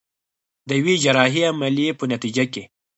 د يوې جراحي عمليې په نتيجه کې.